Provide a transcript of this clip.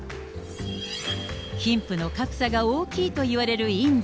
貧富の格差が大きいといわれるインド。